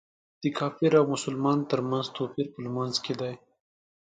د کافر او مسلمان تر منځ توپیر په لمونځ کې دی.